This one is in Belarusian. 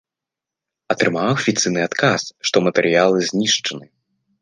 Атрымаў афіцыйны адказ, што матэрыялы знішчаны.